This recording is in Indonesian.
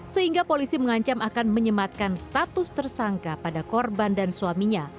sehingga polisi mengancam akan menyematkan status tersangka pada korban dan suaminya